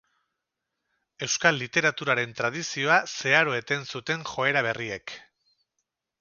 Euskal literaturaren tradizioa zeharo eten zuten joera berriek.